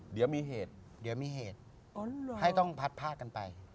เดี๋ยวมีเหตุให้ต้องพัดพลาดกันไป